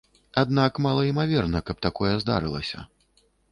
Аднак малаімаверна, каб такое здарылася.